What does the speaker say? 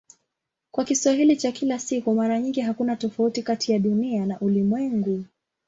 Kwa Kiswahili cha kila siku mara nyingi hakuna tofauti kati ya "Dunia" na "ulimwengu".